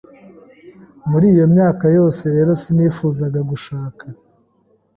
muri iyo myaka yose rero sinifuzaga gushaka